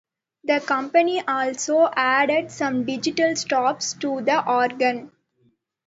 The company also added some digital stops to the organ.